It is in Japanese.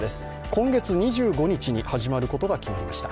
今月２５日に始まることが分かりました。